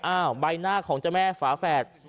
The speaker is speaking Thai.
ใบหน้าของเจ้าแม่ฝาแฝด